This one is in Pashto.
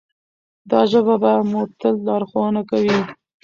دا ژبه به مو تل لارښوونه کوي.